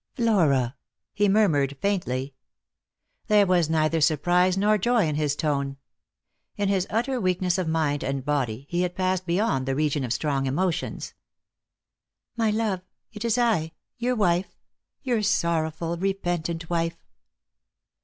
" Flora !" he murmured faintly. There was neither surprise nor joy in his tone. In his utter weakness of mind and body he had passed beyond the region of strong emotions. " My love, it is I — your wife — your sorrowful, repentant wife!"